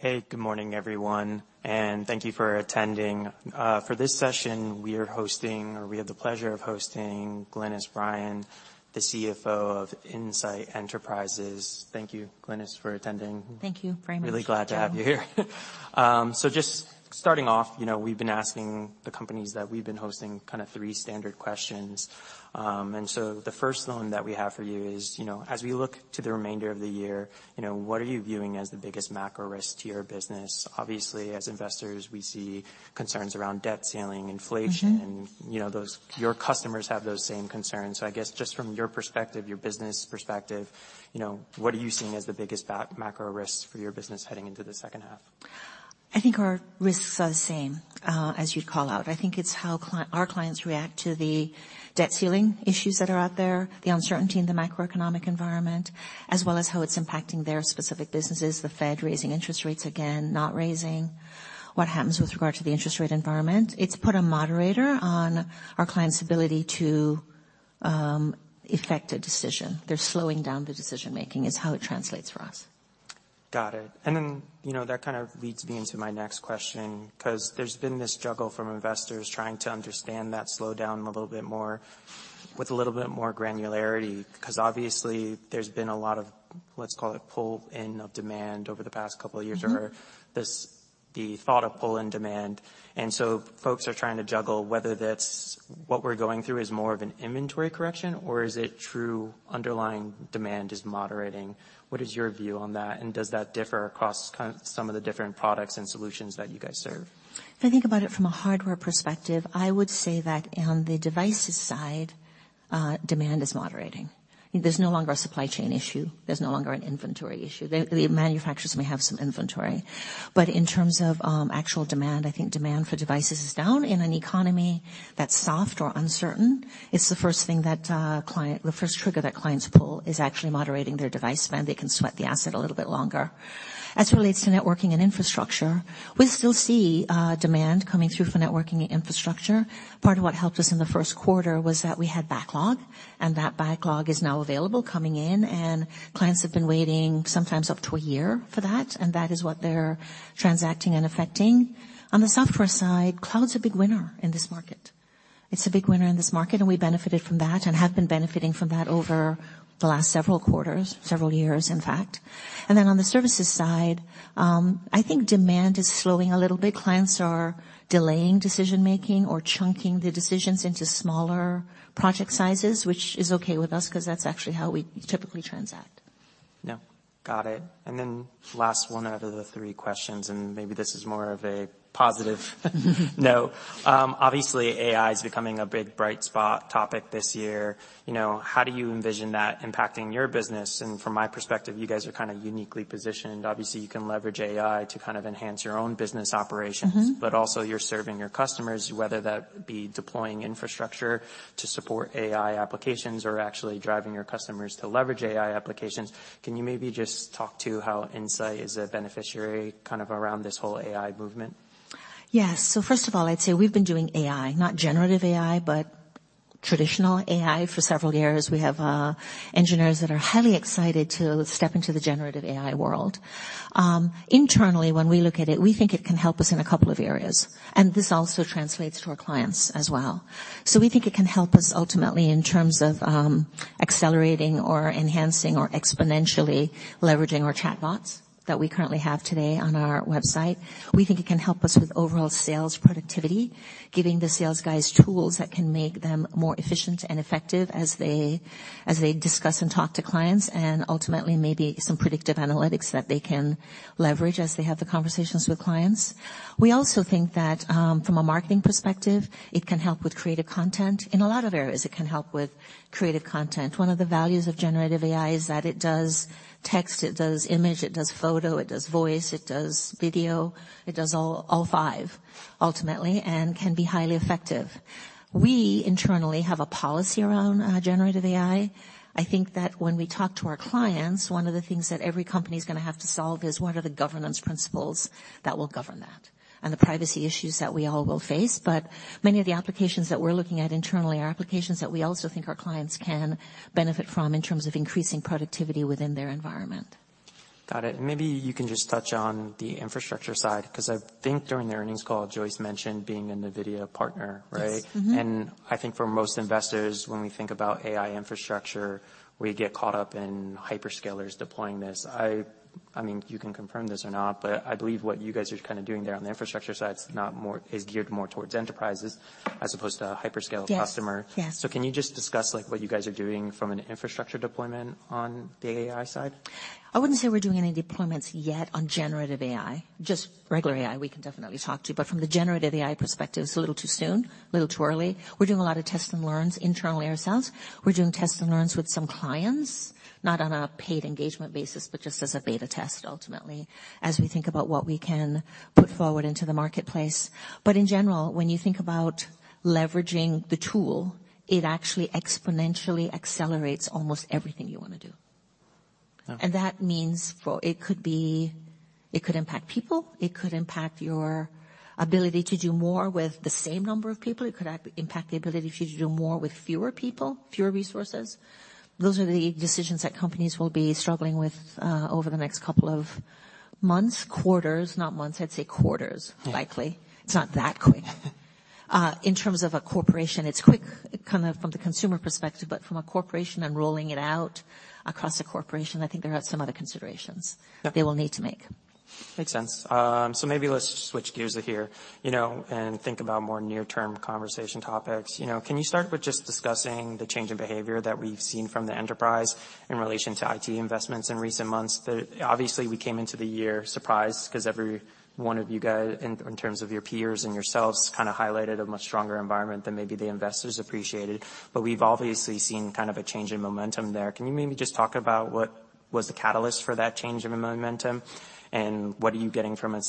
Hey, good morning, everyone, and thank you for attending. For this session we have the pleasure of hosting Glynis Bryan, the CFO of Insight Enterprises. Thank you, Glynis, for attending. Thank you very much. Yeah. Really glad to have you here. Just starting off, you know, we've been asking the companies that we've been hosting kind of 3 standard questions. The first one that we have for you is, you know, as we look to the remainder of the year, you know, what are you viewing as the biggest macro risk to your business? Obviously, as investors, we see concerns around debt ceiling, inflation... Mm-hmm. You know, those... Your customers have those same concerns. I guess just from your perspective, your business perspective, you know, what are you seeing as the biggest macro risks for your business heading into the second half? I think our risks are the same as you'd call out. I think it's how our clients react to the debt ceiling issues that are out there, the uncertainty in the macroeconomic environment, as well as how it's impacting their specific businesses, the Fed raising interest rates again, not raising, what happens with regard to the interest rate environment. It's put a moderator on our clients' ability to effect a decision. They're slowing down the decision-making is how it translates for us. Got it. You know, that kind of leads me into my next question, 'cause there's been this juggle from investors trying to understand that slowdown a little bit more with a little bit more granularity. 'Cause obviously there's been a lot of, let's call it, pull in of demand over the past couple of years- Mm-hmm ...or this, the thought of pull in demand. Folks are trying to juggle whether that's what we're going through is more of an inventory correction or is it true underlying demand is moderating. What is your view on that, and does that differ across some of the different products and solutions that you guys serve? If I think about it from a hardware perspective, I would say that on the devices side, demand is moderating. There's no longer a supply chain issue. There's no longer an inventory issue. The manufacturers may have some inventory. In terms of actual demand, I think demand for devices is down. In an economy that's soft or uncertain, it's the first thing that the first trigger that clients pull is actually moderating their device spend. They can sweat the asset a little bit longer. As relates to networking and infrastructure, we still see demand coming through for networking and infrastructure. Part of what helped us in the first quarter was that we had backlog. That backlog is now available coming in. Clients have been waiting sometimes up to a year for that. That is what they're transacting and effecting. On the software side, cloud's a big winner in this market. It's a big winner in this market, and we benefited from that and have been benefiting from that over the last several quarters, several years, in fact. On the services side, I think demand is slowing a little bit. Clients are delaying decision-making or chunking the decisions into smaller project sizes, which is okay with us 'cause that's actually how we typically transact. Yeah. Got it. Then last one out of the three questions, maybe this is more of a positive note. Obviously AI is becoming a big, bright spot topic this year. You know, how do you envision that impacting your business? From my perspective, you guys are kinda uniquely positioned. Obviously, you can leverage AI to kind of enhance your own business operations. Mm-hmm. Also you're serving your customers, whether that be deploying infrastructure to support AI applications or actually driving your customers to leverage AI applications. Can you maybe just talk to how Insight is a beneficiary kind of around this whole AI movement? Yes. First of all, I'd say we've been doing AI, not generative AI, but traditional AI for several years. We have engineers that are highly excited to step into the generative AI world. Internally, when we look at it, we think it can help us in a couple of areas, and this also translates to our clients as well. We think it can help us ultimately in terms of accelerating or enhancing or exponentially leveraging our chatbots that we currently have today on our website. We think it can help us with overall sales productivity, giving the sales guys tools that can make them more efficient and effective as they discuss and talk to clients, and ultimately maybe some predictive analytics that they can leverage as they have the conversations with clients. We also think that, from a marketing perspective, it can help with creative content. In a lot of areas, it can help with creative content. One of the values of generative AI is that it does text, it does image, it does photo, it does voice, it does video. It does all 5, ultimately, and can be highly effective. We internally have a policy around generative AI. I think that when we talk to our clients, one of the things that every company's gonna have to solve is what are the governance principles that will govern that, and the privacy issues that we all will face. Many of the applications that we're looking at internally are applications that we also think our clients can benefit from in terms of increasing productivity within their environment. Got it. Maybe you can just touch on the infrastructure side, 'cause I think during the earnings call, Joyce mentioned being an NVIDIA partner, right? Yes. Mm-hmm. I think for most investors, when we think about AI infrastructure, we get caught up in hyperscalers deploying this. I mean, you can confirm this or not, but I believe what you guys are kinda doing there on the infrastructure side's geared more towards enterprises as opposed to a hyperscale customer. Yes, yes. Can you just discuss, like, what you guys are doing from an infrastructure deployment on the AI side? I wouldn't say we're doing any deployments yet on generative AI. Just regular AI, we can definitely talk to. From the generative AI perspective, it's a little too soon, a little too early. We're doing a lot of test and learns internal to ourselves. We're doing test and learns with some clients, not on a paid engagement basis, but just as a beta test, ultimately, as we think about what we can put forward into the marketplace. In general, when you think about leveraging the tool, it actually exponentially accelerates almost everything you wanna do. Oh. That means for. It could impact people. It could impact your ability to do more with the same number of people. It could impact the ability for you to do more with fewer people, fewer resources. Those are the decisions that companies will be struggling with over the next couple of months, quarters. Not months, I'd say quarters. Yeah ...likely. It's not that quick. In terms of a corporation, it's quick kind of from the consumer perspective, but from a corporation and rolling it out across a corporation, I think there are some other considerations. Yep. they will need to make. Makes sense. Maybe let's switch gears here, you know, and think about more near-term conversation topics. You know, can you start with just discussing the change in behavior that we've seen from the enterprise in relation to IT investments in recent months? Obviously, we came into the year surprised 'cause every one of you in terms of your peers and yourselves, kind of highlighted a much stronger environment than maybe the investors appreciated. We've obviously seen kind of a change in momentum there. Can you maybe just talk about what was the catalyst for that change in the momentum, and what are you getting from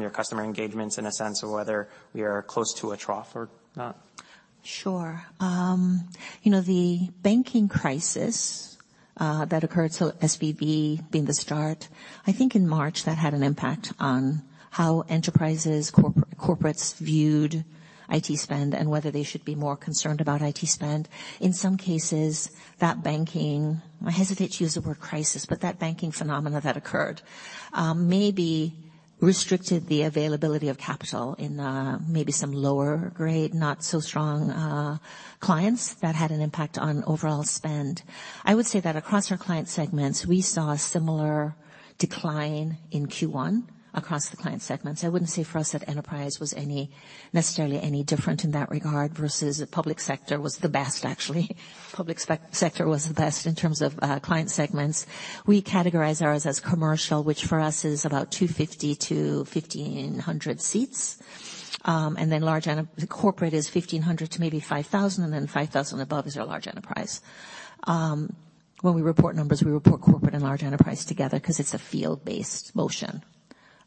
your customer engagements in a sense of whether we are close to a trough or not? Sure. You know, the banking crisis that occurred, so SVB being the start, I think in March, that had an impact on how enterprises, corporates viewed IT spend and whether they should be more concerned about IT spend. In some cases, that banking, I hesitate to use the word crisis, but that banking phenomena that occurred, maybe restricted the availability of capital in maybe some lower grade, not so strong, clients that had an impact on overall spend. I would say that across our client segments, we saw a similar decline in Q1 across the client segments. I wouldn't say for us that enterprise was any, necessarily any different in that regard versus the public sector was the best, actually, in terms of client segments. We categorize ours as commercial, which for us is about 250 to 1,500 seats. Then the corporate is 1,500 to maybe 5,000, and then 5,000 above is our large enterprise. When we report numbers, we report corporate and large enterprise together 'cause it's a field-based motion,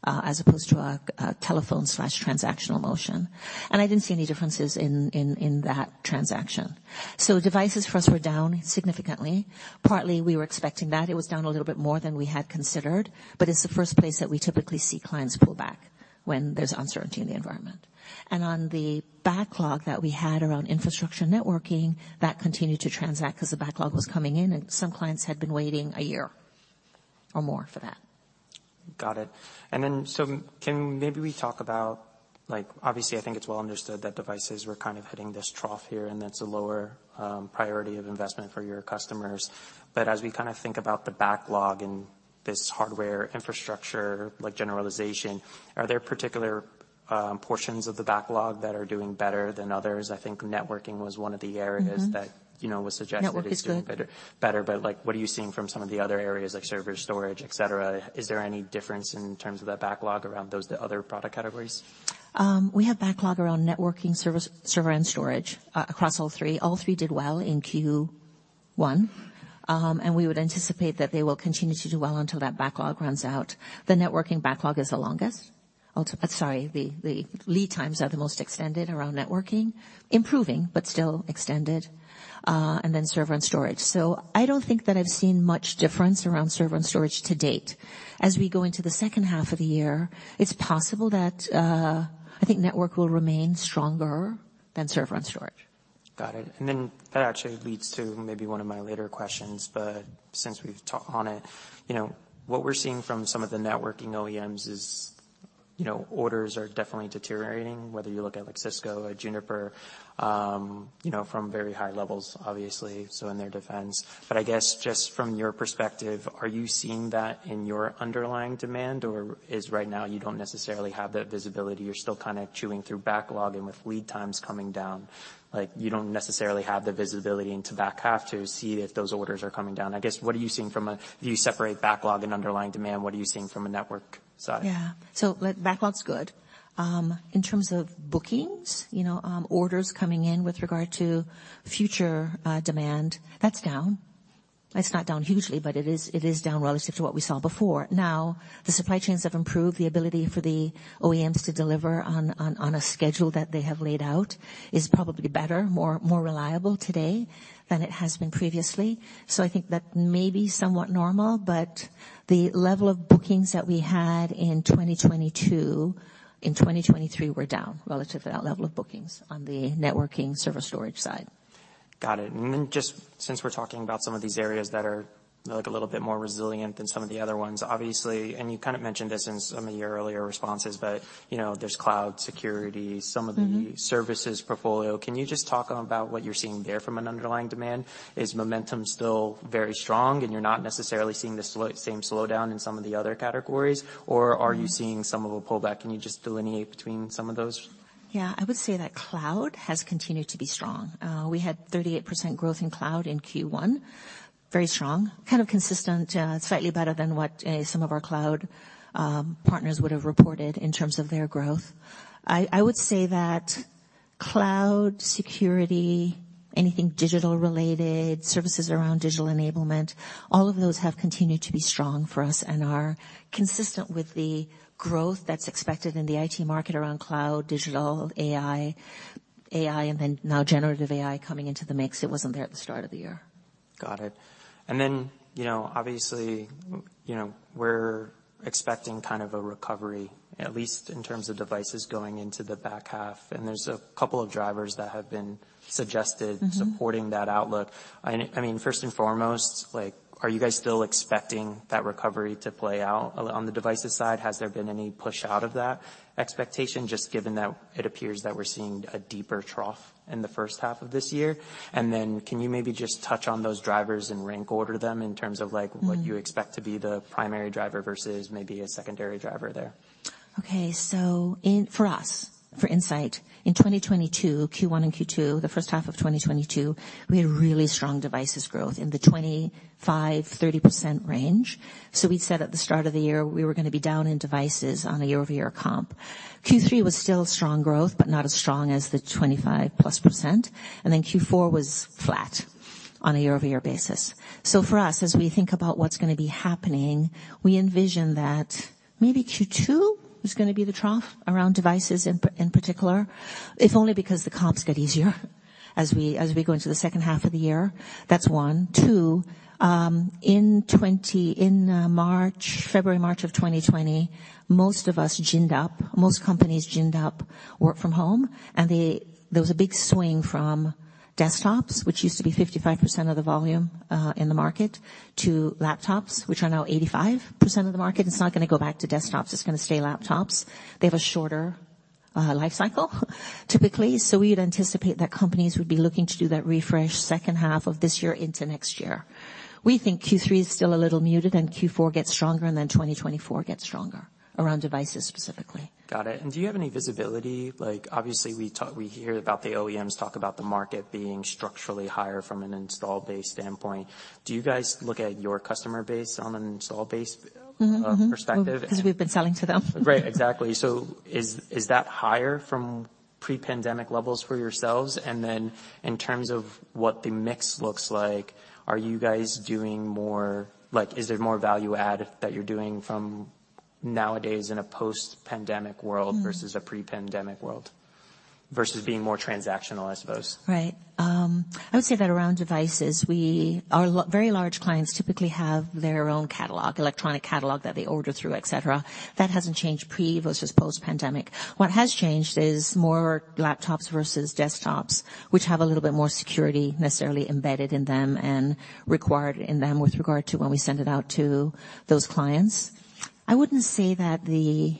as opposed to a telephone/transactional motion. I didn't see any differences in that transaction. Devices first were down significantly. Partly we were expecting that. It was down a little bit more than we had considered, but it's the first place that we typically see clients pull back when there's uncertainty in the environment. On the backlog that we had around infrastructure networking, that continued to transact 'cause the backlog was coming in, and some clients had been waiting a year or more for that. Got it. Can maybe we talk about... Like, obviously, I think it's well understood that devices were kind of hitting this trough here, and that's a lower priority of investment for your customers. As we kinda think about the backlog and this hardware infrastructure like generalization, are there particular portions of the backlog that are doing better than others? I think networking was one of the areas- Mm-hmm. That, you know, was suggested. Networking's good. -is doing better. Like, what are you seeing from some of the other areas like server storage, et cetera? Is there any difference in terms of that backlog around those, the other product categories? We have backlog around networking service, server and storage across all three. All three did well in Q1. We would anticipate that they will continue to do well until that backlog runs out. The networking backlog is the longest. Sorry, the lead times are the most extended around networking. Improving, but still extended. Then server and storage. I don't think that I've seen much difference around server and storage to date. As we go into the second half of the year, it's possible that, I think network will remain stronger than server and storage. Got it. That actually leads to maybe one of my later questions, but since we've touched on it. You know, what we're seeing from some of the networking OEMs is, you know, orders are definitely deteriorating, whether you look at like Cisco or Juniper, you know, from very high levels, obviously, so in their defense. I guess, just from your perspective, are you seeing that in your underlying demand, or is right now you don't necessarily have the visibility, you're still kinda chewing through backlog and with lead times coming down? Like, you don't necessarily have the visibility into back half to see if those orders are coming down? I guess, what are you seeing? Do you separate backlog and underlying demand? What are you seeing from a network side? Yeah. Backlogs good. In terms of bookings, you know, orders coming in with regard to future demand, that's down. It's not down hugely, it is down relative to what we saw before. The supply chains have improved. The ability for the OEMs to deliver on a schedule that they have laid out is probably better, more reliable today than it has been previously. I think that may be somewhat normal, the level of bookings that we had in 2022, in 2023 were down relative to that level of bookings on the networking service storage side. Got it. Just since we're talking about some of these areas that are, like, a little bit more resilient than some of the other ones. Obviously, and you kind of mentioned this in some of your earlier responses, but, you know, there's cloud security- Mm-hmm. some of the services portfolio. Can you just talk about what you're seeing there from an underlying demand? Is momentum still very strong and you're not necessarily seeing the same slowdown in some of the other categories? Are you seeing some of a pullback? Can you just delineate between some of those? I would say that cloud has continued to be strong. We had 38% growth in cloud in Q1. Very strong. Kind of consistent, slightly better than what some of our cloud partners would have reported in terms of their growth. I would say that cloud security, anything digital related, services around digital enablement, all of those have continued to be strong for us and are consistent with the growth that's expected in the IT market around cloud, digital, AI, and then now generative AI coming into the mix. It wasn't there at the start of the year. Got it. You know, obviously, you know, we're expecting kind of a recovery, at least in terms of devices going into the back half, and there's a couple of drivers that have been suggested. Mm-hmm. supporting that outlook. I mean, first and foremost, like are you guys still expecting that recovery to play out on the devices side? Has there been any push out of that expectation, just given that it appears that we're seeing a deeper trough in the first half of this year? Then can you maybe just touch on those drivers and rank order them in terms of like... Mm-hmm. What you expect to be the primary driver versus maybe a secondary driver there? For us, for Insight, in 2022, Q1 and Q2, the first half of 2022, we had really strong devices growth in the 25%-30% range. We'd said at the start of the year we were gonna be down in devices on a year-over-year comp. Q3 was still strong growth, but not as strong as the 25%+, Q4 was flat on a year-over-year basis. For us, as we think about what's gonna be happening, we envision that maybe Q2 is gonna be the trough around devices in particular, if only because the comps get easier as we go into the second half of the year. That's one. Two. in March, February, March of 2020, most of us ginned up, most companies ginned up work from home. There was a big swing from desktops, which used to be 55% of the volume in the market, to laptops, which are now 85% of the market. It's not gonna go back to desktops. It's gonna stay laptops. They have a shorter life cycle typically, so we would anticipate that companies would be looking to do that refresh second half of this year into next year. We think Q3 is still a little muted and Q4 gets stronger. Then 2024 gets stronger around devices specifically. Got it. Do you have any visibility? Like, obviously we hear about the OEMs talk about the market being structurally higher from an install base standpoint. Do you guys look at your customer base on an install base- Mm-hmm. perspective? Well, 'cause we've been selling to them. Right. Exactly. Is that higher from pre-pandemic levels for yourselves? In terms of what the mix looks like, are you guys doing Like, is there more value add that you're doing from nowadays in a post-pandemic world? Mm. versus a pre-pandemic world versus being more transactional, I suppose? Right. I would say that around devices, Our very large clients typically have their own catalog, electronic catalog that they order through, et cetera. That hasn't changed pre-versus post-pandemic. What has changed is more laptops versus desktops, which have a little bit more security necessarily embedded in them and required in them with regard to when we send it out to those clients. I wouldn't say that the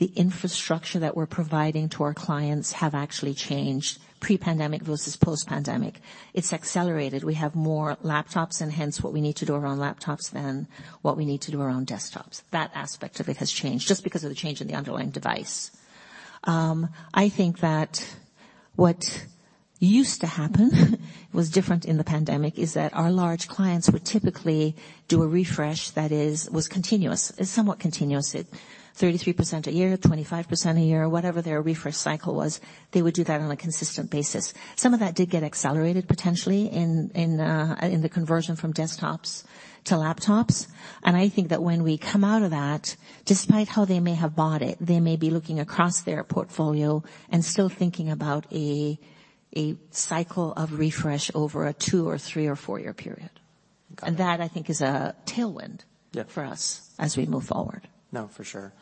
infrastructure that we're providing to our clients have actually changed pre-pandemic versus post-pandemic. It's accelerated. We have more laptops and hence what we need to do around laptops than what we need to do around desktops. That aspect of it has changed, just because of the change in the underlying device. I think that what used to happen was different in the pandemic is that our large clients would typically do a refresh that is, was continuous, is somewhat continuous. 33% a year, 25% a year, whatever their refresh cycle was, they would do that on a consistent basis. Some of that did get accelerated potentially in the conversion from desktops to laptops, and I think that when we come out of that, despite how they may have bought it, they may be looking across their portfolio and still thinking about a cycle of refresh over a 2 or 3 or 4-year period. Got it. That, I think, is a tailwind. Yeah. -for us as we move forward. No, for sure.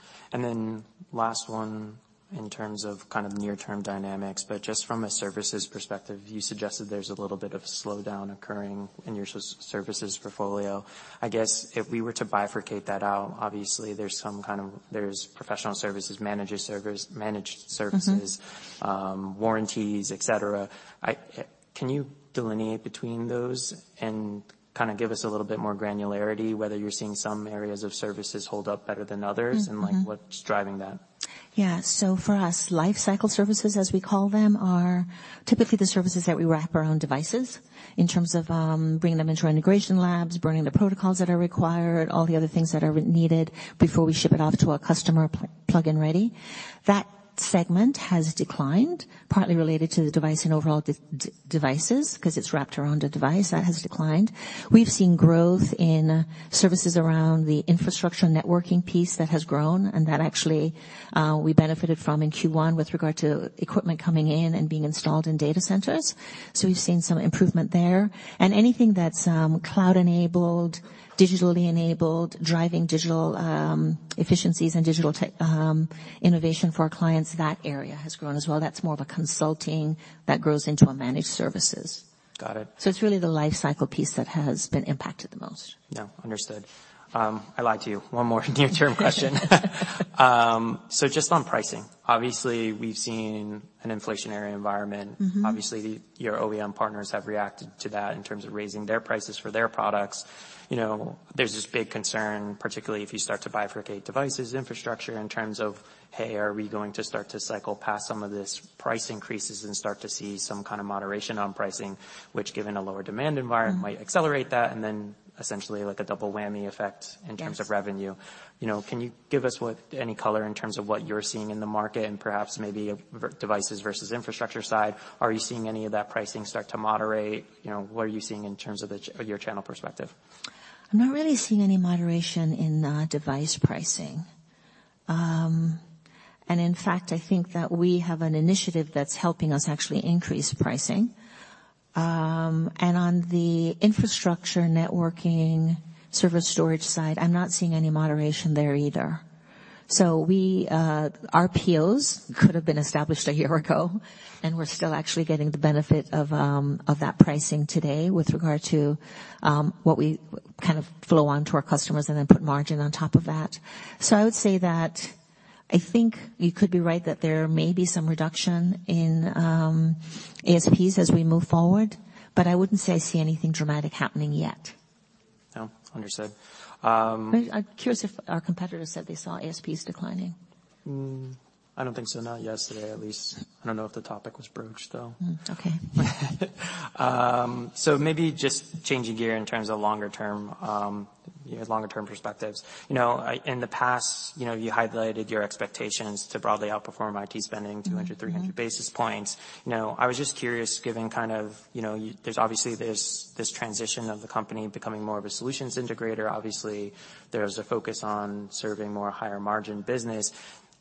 Last one in terms of kind of near-term dynamics, but just from a services perspective, you suggested there's a little bit of slowdown occurring in your services portfolio. I guess if we were to bifurcate that out, obviously there's some kind of... there's professional services, manager service, managed services- Mm-hmm. warranties, et cetera. Can you delineate between those and kinda give us a little bit more granularity, whether you're seeing some areas of services hold up better than others? Mm-hmm. Mm-hmm. like, what's driving that? For us, lifecycle services, as we call them, are typically the services that we wrap around devices in terms of bringing them into our integration labs, bringing the protocols that are required, all the other things that are needed before we ship it off to our customer plug and ready. That segment has declined partly related to the device and overall devices, 'cause it's wrapped around a device. That has declined. We've seen growth in services around the infrastructure networking piece that has grown, and that actually, we benefited from in Q one with regard to equipment coming in and being installed in data centers. We've seen some improvement there. Anything that's cloud-enabled, digitally enabled, driving digital efficiencies and digital innovation for our clients, that area has grown as well. That's more of a consulting that grows into a managed services. Got it. It's really the lifecycle piece that has been impacted the most. Yeah, understood. I lied to you. One more near-term question. Just on pricing, obviously we've seen an inflationary environment. Mm-hmm. Obviously, your OEM partners have reacted to that in terms of raising their prices for their products. You know, there's this big concern, particularly if you start to bifurcate devices infrastructure in terms of, hey, are we going to start to cycle past some of this price increases and start to see some kind of moderation on pricing, which given a lower demand environment. Mm. -might accelerate that, and then essentially like a double whammy effect- Yes. In terms of revenue. You know, can you give us what any color in terms of what you're seeing in the market and perhaps maybe devices versus infrastructure side? Are you seeing any of that pricing start to moderate? You know, what are you seeing in terms of your channel perspective? I'm not really seeing any moderation in device pricing. In fact, I think that we have an initiative that's helping us actually increase pricing. And on the infrastructure networking service storage side, I'm not seeing any moderation there either. We, our POs could have been established a year ago, and we're still actually getting the benefit of that pricing today with regard to what we kind of flow on to our customers and then put margin on top of that. I would say that I think you could be right that there may be some reduction in ASPs as we move forward, but I wouldn't say I see anything dramatic happening yet. No. Understood. I'm curious if our competitors said they saw ASPs declining? I don't think so. Not yesterday, at least. I don't know if the topic was broached, though. Okay. Maybe just changing gear in terms of longer term perspectives. You know, in the past, you know, you highlighted your expectations to broadly outperform IT spending 200, 300 basis points. You know, I was just curious, given kind of, you know, there's obviously this transition of the company becoming more of a solutions integrator. Obviously, there's a focus on serving more higher margin business.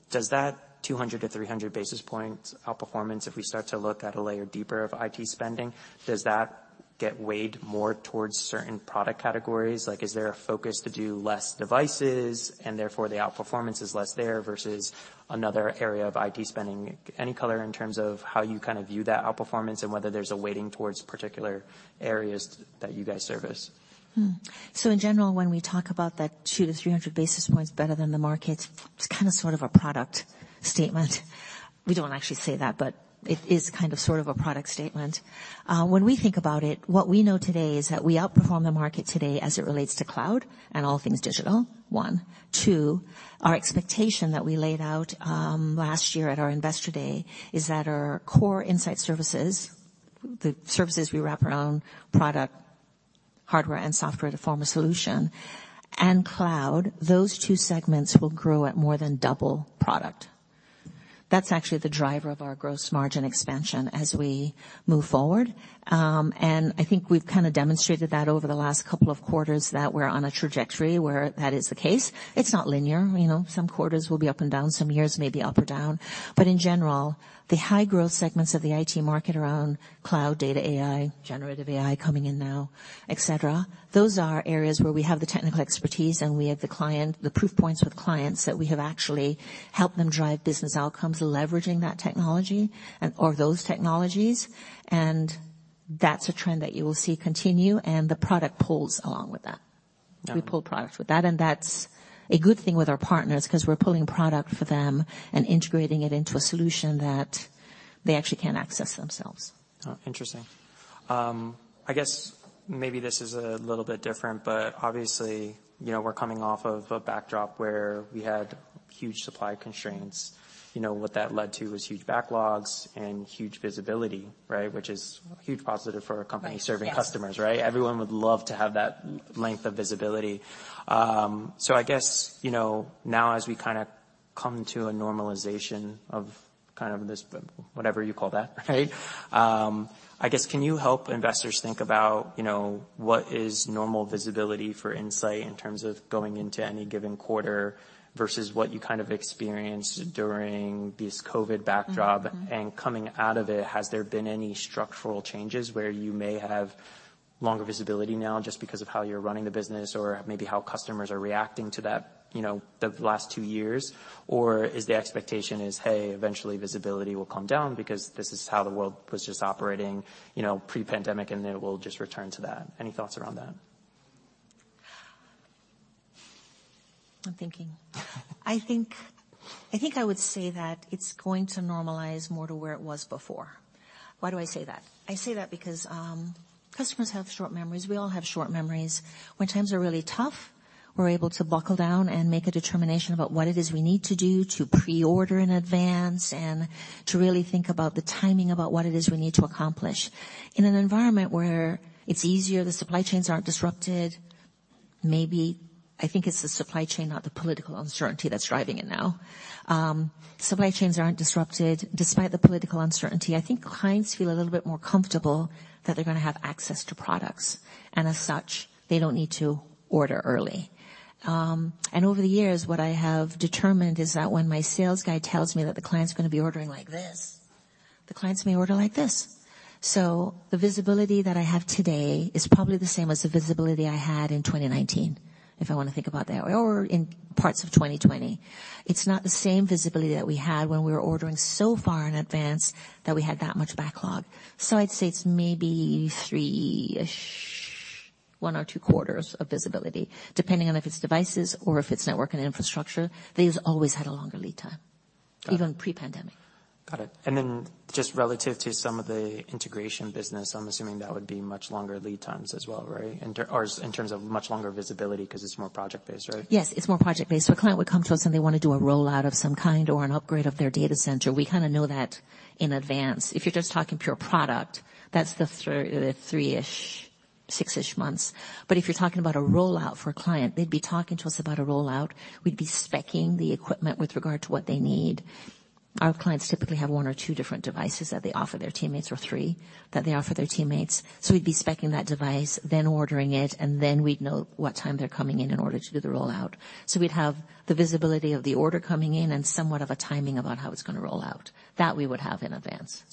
Does that 200-300 basis points outperformance, if we start to look at a layer deeper of IT spending, does that get weighed more towards certain product categories? Like, is there a focus to do less devices and therefore the outperformance is less there versus another area of IT spending? Any color in terms of how you kind of view that outperformance and whether there's a weighting towards particular areas that you guys service? In general, when we talk about that 200 to 300 basis points better than the markets, it's kind of sort of a product statement. We don't actually say that, but it is kind of sort of a product statement. When we think about it, what we know today is that we outperform the market today as it relates to cloud and all things digital, one. Two, our expectation that we laid out last year at our investor day is that our core Insight services, the services we wrap around product, hardware, and software to form a solution and cloud, those two segments will grow at more than double product. That's actually the driver of our gross margin expansion as we move forward. I think we've kinda demonstrated that over the last couple of quarters that we're on a trajectory where that is the case. It's not linear. You know, some quarters will be up and down, some years maybe up or down. In general, the high growth segments of the IT market around cloud data, AI, generative AI coming in now, et cetera, those are areas where we have the technical expertise, and we have the client, the proof points with clients that we have actually helped them drive business outcomes, leveraging that technology and/or those technologies. That's a trend that you will see continue, and the product pulls along with that. Got it. We pull products with that, and that's a good thing with our partners 'cause we're pulling product for them and integrating it into a solution that they actually can't access themselves. Oh, interesting. I guess maybe this is a little bit different, but obviously, you know, we're coming off of a backdrop where we had huge supply constraints. You know, what that led to was huge backlogs and huge visibility, right? Which is a huge positive for a company serving customers, right? Yes. Everyone would love to have that length of visibility. I guess, you know, now as we kind of come to a normalization of kind of this, whatever you call that, right, I guess can you help investors think about, you know, what is normal visibility for Insight in terms of going into any given quarter versus what you kind of experienced during this COVID backdrop? Mm-hmm. Mm-hmm. Coming out of it, has there been any structural changes where you may have longer visibility now just because of how you're running the business or maybe how customers are reacting to that, you know, the last two years? Is the expectation is, hey, eventually visibility will come down because this is how the world was just operating, you know, pre-pandemic, and it will just return to that? Any thoughts around that? I'm thinking. I think I would say that it's going to normalize more to where it was before. Why do I say that? I say that because customers have short memories. We all have short memories. When times are really tough, we're able to buckle down and make a determination about what it is we need to do to pre-order in advance and to really think about the timing about what it is we need to accomplish. In an environment where it's easier, the supply chains aren't disrupted, maybe I think it's the supply chain, not the political uncertainty that's driving it now. Supply chains aren't disrupted despite the political uncertainty. I think clients feel a little bit more comfortable that they're gonna have access to products, and as such, they don't need to order early. And over the years, what I have determined is that when my sales guy tells me that the client's gonna be ordering like this, the clients may order like this. The visibility that I have today is probably the same as the visibility I had in 2019 if I wanna think about that or in parts of 2020. It's not the same visibility that we had when we were ordering so far in advance that we had that much backlog. I'd say it's maybe 3-ish, 1 or 2 quarters of visibility, depending on if it's devices or if it's network and infrastructure. They just always had a longer lead time. Got it. Even pre-pandemic. Got it. Just relative to some of the integration business, I'm assuming that would be much longer lead times as well, right? Or in terms of much longer visibility 'cause it's more project-based, right? Yes, it's more project-based. A client would come to us, and they wanna do a rollout of some kind or an upgrade of their data center. We kinda know that in advance. If you're just talking pure product, that's the three-ish, six-ish months. If you're talking about a rollout for a client, they'd be talking to us about a rollout, we'd be speccing the equipment with regard to what they need. Our clients typically have one or two different devices that they offer their teammates, or three that they offer their teammates. We'd be speccing that device, then ordering it, and then we'd know what time they're coming in in order to do the rollout. We'd have the visibility of the order coming in and somewhat of a timing about how it's gonna roll out. That we would have in advance.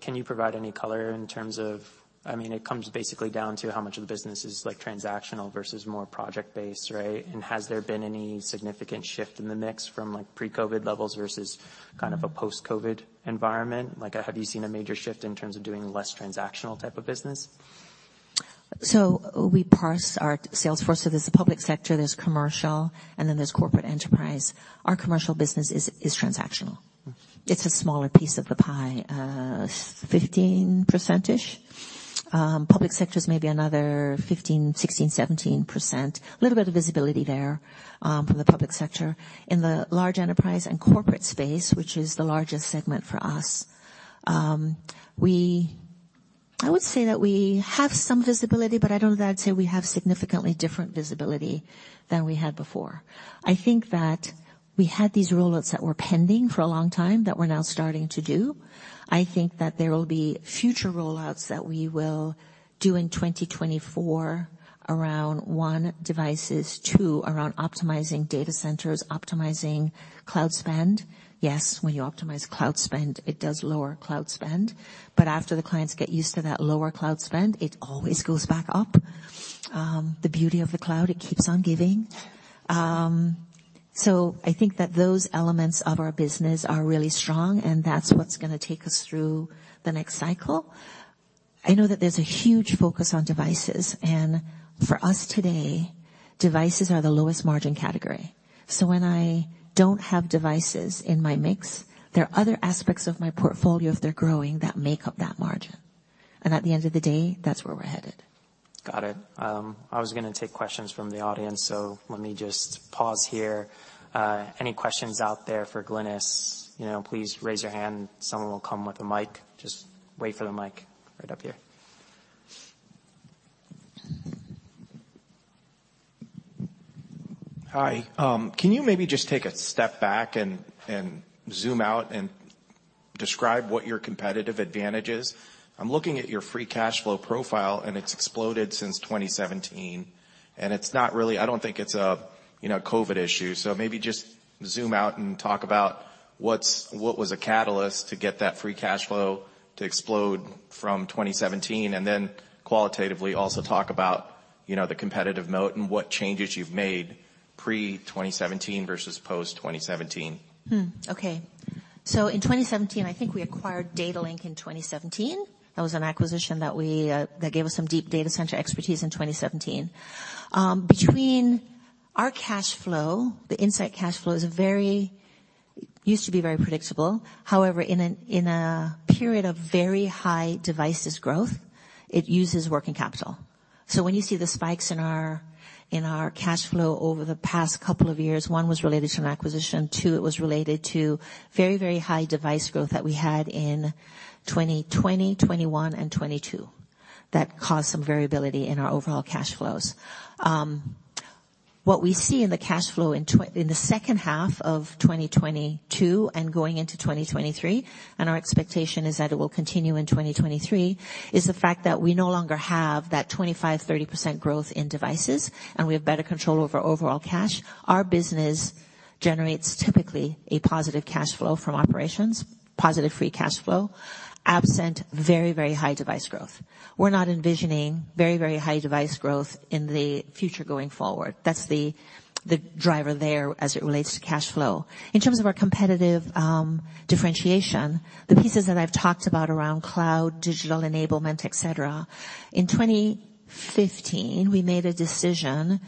Can you provide any color in terms of, I mean, it comes basically down to how much of the business is, like, transactional versus more project-based, right? Has there been any significant shift in the mix from, like, pre-COVID levels versus kind of a post-COVID environment? Like, have you seen a major shift in terms of doing less transactional type of business? We parse our sales force. There's the public sector, there's commercial, and then there's corporate enterprise. Our commercial business is transactional. Mm-hmm. It's a smaller piece of the pie, 15%-ish. Public sector is maybe another 15%, 16%, 17%. Little bit of visibility there from the public sector. In the large enterprise and corporate space, which is the largest segment for us, I would say that we have some visibility, I don't know that I'd say we have significantly different visibility than we had before. I think that we had these rollouts that were pending for a long time that we're now starting to do. I think that there will be future rollouts that we will do in 2024 around, 1, devices, 2, around optimizing data centers, optimizing cloud spend. Yes, when you optimize cloud spend, it does lower cloud spend. After the clients get used to that lower cloud spend, it always goes back up. The beauty of the cloud, it keeps on giving. I think that those elements of our business are really strong, and that's what's gonna take us through the next cycle. I know that there's a huge focus on devices, for us today, devices are the lowest margin category. When I don't have devices in my mix, there are other aspects of my portfolio, if they're growing, that make up that margin. At the end of the day, that's where we're headed. Got it. I was gonna take questions from the audience, so let me just pause here. Any questions out there for Glynis? You know, please raise your hand. Someone will come with a mic. Just wait for the mic. Right up here. Hi. Can you maybe just take a step back and zoom out and describe what your competitive advantage is? I'm looking at your free cash flow profile, it's exploded since 2017. I don't think it's a, you know, COVID issue. Maybe just zoom out and talk about what was a catalyst to get that free cash flow to explode from 2017 and then qualitatively also talk about, you know, the competitive moat and what changes you've made pre-2017 versus post-2017. Okay. In 2017, I think we acquired Datalink in 2017. That was an acquisition that we gave us some deep data center expertise in 2017. Between our cash flow, the Insight cash flow is very used to be very predictable. However, in a period of very high devices growth, it uses working capital. When you see the spikes in our cash flow over the past couple of years, one, was related to an acquisition, two, it was related to very, very high device growth that we had in 2020, 2021 and 2022 that caused some variability in our overall cash flows. What we see in the cash flow in the second half of 2022 and going into 2023, and our expectation is that it will continue in 2023, is the fact that we no longer have that 25%, 30% growth in devices, and we have better control over overall cash. Our business generates typically a positive cash flow from operations, positive free cash flow, absent very, very high device growth. We're not envisioning very, very high device growth in the future going forward. That's the driver there as it relates to cash flow. In terms of our competitive differentiation, the pieces that I've talked about around cloud, digital enablement, et cetera. In 2015, we made a decision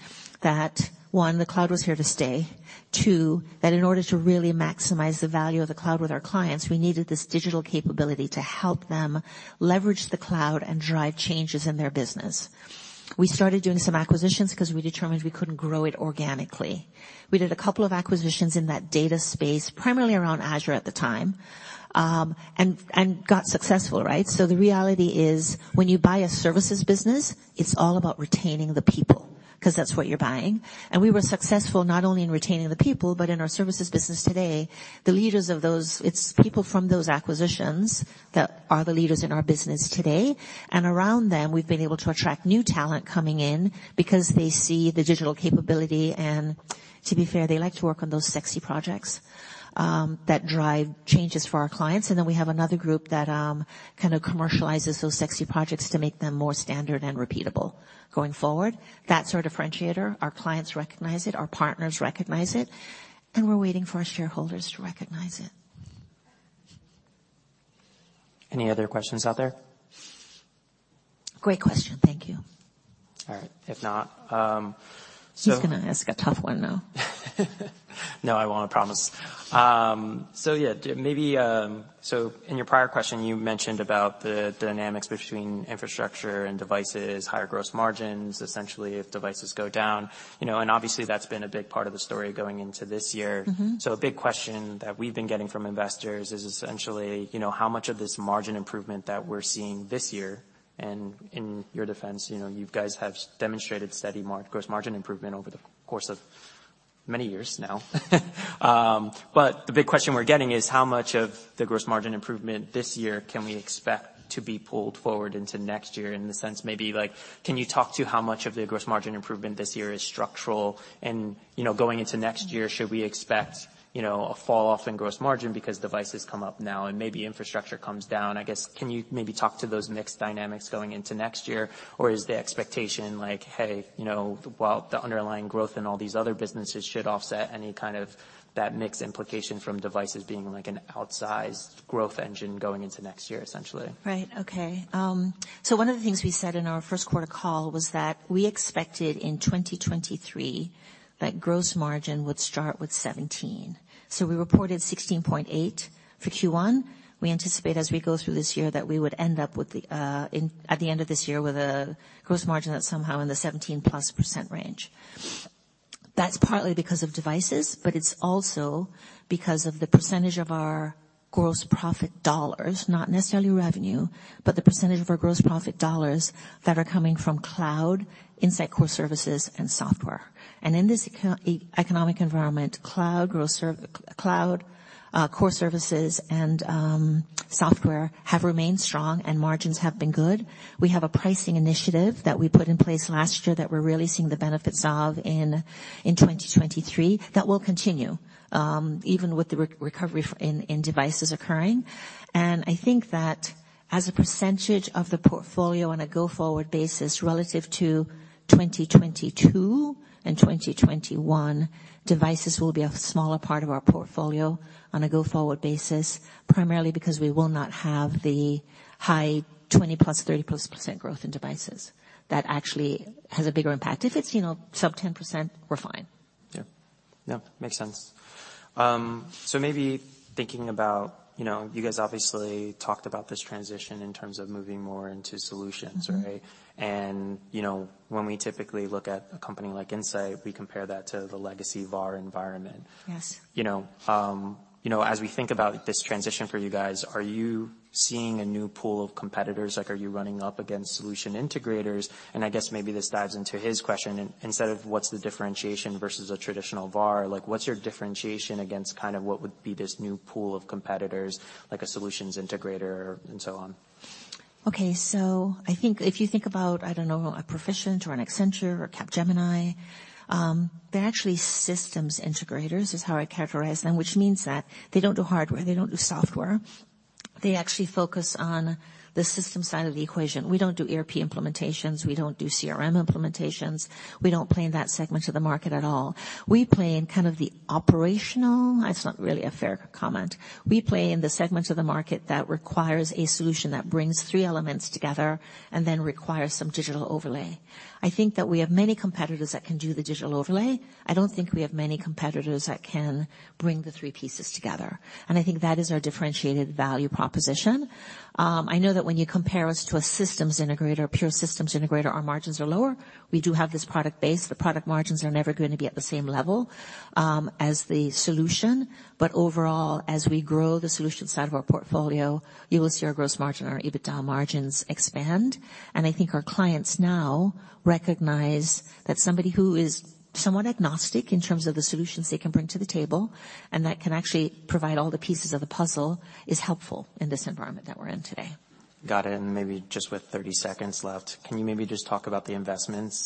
that, one, the cloud was here to stay. Two, that in order to really maximize the value of the cloud with our clients, we needed this digital capability to help them leverage the cloud and drive changes in their business. We started doing some acquisitions because we determined we couldn't grow it organically. We did a couple of acquisitions in that data space, primarily around Azure at the time. got successful, right? The reality is, when you buy a services business, it's all about retaining the people 'cause that's what you're buying. We were successful not only in retaining the people, but in our services business today, the leaders of those, it's people from those acquisitions that are the leaders in our business today. Around them, we've been able to attract new talent coming in because they see the digital capability. To be fair, they like to work on those sexy projects that drive changes for our clients. We have another group that kind of commercializes those sexy projects to make them more standard and repeatable going forward. That's our differentiator. Our clients recognize it, our partners recognize it, and we're waiting for our shareholders to recognize it. Any other questions out there? Great question. Thank you. All right. If not. He's gonna ask a tough one now. No, I won't promise. Yeah, maybe, so in your prior question, you mentioned about the dynamics between infrastructure and devices, higher gross margins, essentially if devices go down, you know, and obviously that's been a big part of the story going into this year. Mm-hmm. A big question that we've been getting from investors is essentially, you know, how much of this margin improvement that we're seeing this year. In your defense, you know, you guys have demonstrated steady gross margin improvement over the course of many years now. The big question we're getting is how much of the gross margin improvement this year can we expect to be pulled forward into next year in the sense maybe like can you talk to how much of the gross margin improvement this year is structural and, you know, going into next year should we expect, you know, a falloff in gross margin because devices come up now and maybe infrastructure comes down? I guess, can you maybe talk to those mixed dynamics going into next year or is the expectation like, hey, you know, while the underlying growth in all these other businesses should offset any kind of that mix implication from devices being like an outsized growth engine going into next year essentially? Right. Okay. One of the things we said in our first quarter call was that we expected in 2023 that gross margin would start with 17. We reported 16.8 for Q1. We anticipate as we go through this year that we would end up at the end of this year with a gross margin that's somehow in the 17+% range. That's partly because of devices, but it's also because of the percentage of our gross profit dollars, not necessarily revenue, but the percentage of our gross profit dollars that are coming from cloud, Insight Core services and software. In this eco-economic environment, cloud core services and software have remained strong and margins have been good. We have a pricing initiative that we put in place last year that we're really seeing the benefits of in 2023 that will continue, even with the recovery in devices occurring. I think that as a percentage of the portfolio on a go-forward basis relative to 2022 and 2021, devices will be a smaller part of our portfolio on a go-forward basis, primarily because we will not have the high 20+, 30+% growth in devices that actually has a bigger impact. If it's, you know, sub 10%, we're fine. Yeah. No, makes sense. Maybe thinking about, you know, you guys obviously talked about this transition in terms of moving more into solutions, right? Mm-hmm. you know, when we typically look at a company like Insight, we compare that to the legacy VAR environment. Yes. You know, you know, as we think about this transition for you guys, are you seeing a new pool of competitors? Like, are you running up against Solutions Integrators? I guess maybe this dives into his question instead of what's the differentiation versus a traditional VAR, like what's your differentiation against kind of what would be this new pool of competitors, like a Solutions Integrator and so on? I think if you think about, I don't know, a Perficient or an Accenture or Capgemini, they're actually systems integrators is how I characterize them, which means that they don't do hardware, they don't do software. They actually focus on the system side of the equation. We don't do ERP implementations. We don't do CRM implementations. We don't play in that segment of the market at all. We play in kind of the operational. That's not really a fair comment. We play in the segment of the market that requires a solution that brings three elements together and then requires some digital overlay. I think that we have many competitors that can do the digital overlay. I don't think we have many competitors that can bring the three pieces together, and I think that is our differentiated value proposition. I know that when you compare us to a systems integrator, pure systems integrator, our margins are lower. We do have this product base. The product margins are never gonna be at the same level as the solution. Overall, as we grow the solution side of our portfolio, you will see our gross margin, our EBITDA margins expand. I think our clients now recognize that somebody who is somewhat agnostic in terms of the solutions they can bring to the table and that can actually provide all the pieces of the puzzle is helpful in this environment that we're in today. Got it. Maybe just with 30 seconds left, can you maybe just talk about the investments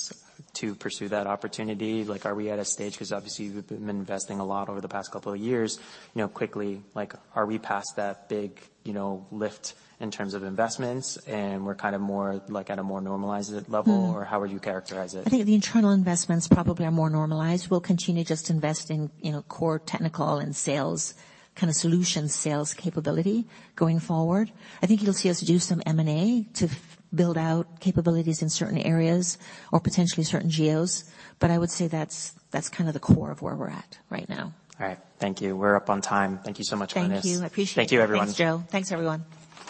to pursue that opportunity? Like, are we at a stage...? 'Cause obviously you've been investing a lot over the past couple of years. You know, quickly, like, are we past that big, you know, lift in terms of investments and we're kind of more like at a more normalized level? Mm-hmm. How would you characterize it? I think the internal investments probably are more normalized. We'll continue to just invest in, you know, core technical and sales kind of solution sales capability going forward. I think you'll see us do some M&A to build out capabilities in certain areas or potentially certain geos. I would say that's kind of the core of where we're at right now. All right. Thank you. We're up on time. Thank you so much, Glynis. Thank you. I appreciate it. Thank you, everyone. Thanks, Joe. Thanks, everyone.